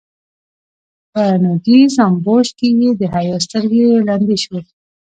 په نوږيز امبوش کې يې د حيا سترګې ړندې شوې.